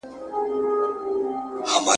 تورېدلي، ترهېدلي به مرغان وي !.